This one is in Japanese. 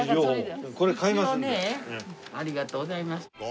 ありがとうございます。